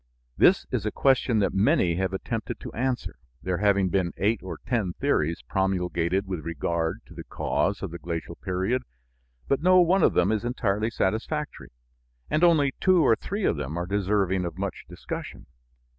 This is a question that many have attempted to answer, there having been eight or ten theories promulgated with regard to the cause of the glacial period, but no one of them is entirely satisfactory, and only two or three of them are deserving of much discussion.